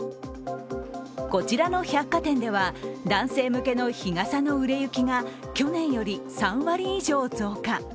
こちらの百貨店では、男性向けの日傘の売れ行きが去年より３割以上増加。